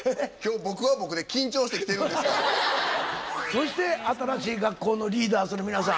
そして新しい学校のリーダーズの皆さん。